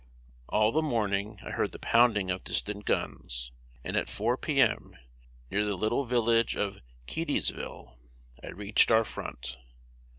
All the morning I heard the pounding of distant guns, and at 4 P. M., near the little village of Keedysville, I reached our front.